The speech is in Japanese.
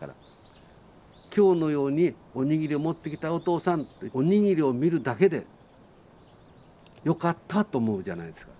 今日のように「おにぎり持ってきたよお父さん」っておにぎりを見るだけで「よかった」と思うじゃないですか。